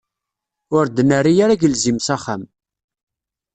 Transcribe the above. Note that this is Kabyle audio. Ur d-nerri ara agelzim s axxam.